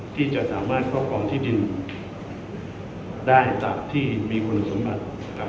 ที่จะสามารถพบพร้อมที่ดินได้จากที่มีคุณสมบัติ